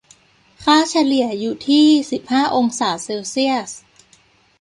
ค่าเฉลี่ยอยู่ที่ สิบห้า องศาเซลเซียส